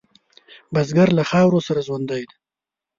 بزګر له خاورو سره ژوندی دی